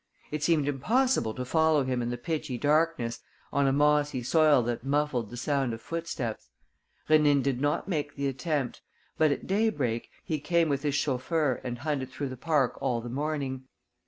It seemed impossible to follow him in the pitchy darkness, on a mossy soil that muffled the sound of footsteps. Rénine did not make the attempt; but, at daybreak, he came with his chauffeur and hunted through the park all the morning.